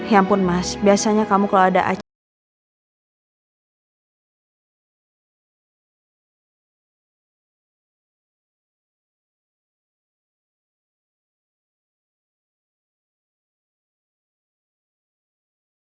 ya ampun mas biasanya kamu kalau ada acara